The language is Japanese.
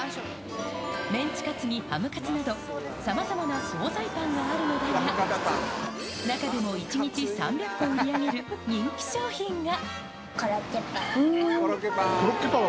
メンチカツにハムカツなど、さまざまな総菜パンがあるのだが、中でも１日３００個売り上げる人コロッケパン。